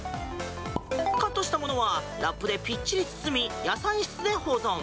カットしたものはラップでぴっちり包み野菜室で保存。